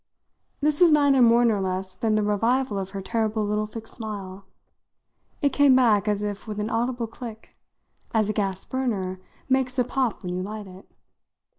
This was neither more nor less than the revival of her terrible little fixed smile. It came back as if with an audible click as a gas burner makes a pop when you light it.